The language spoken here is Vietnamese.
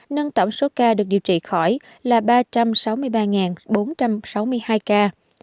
nâng tổng số ca được điều trị khỏi là ba trăm sáu mươi ba bốn trăm sáu mươi hai ca